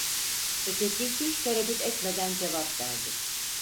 Öteki hiç tereddüt etmeden cevap verdi: